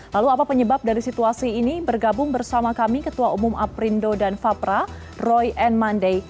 lalu apa penyebab dari situasi ini bergabung bersama kami ketua umum aprindo dan vapra roy n mandey